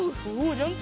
ジャンプ！